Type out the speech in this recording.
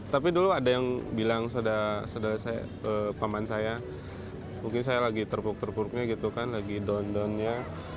tapi dulu ada yang bilang saudara saya paman saya mungkin saya lagi terpuk terpuruknya gitu kan lagi down downnya